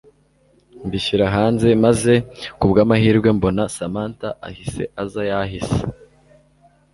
mbishyira hanze maze kubwamahirwe mbona Samantha ahise aza yahise